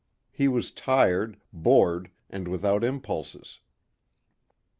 He was tired, bored and without impulses.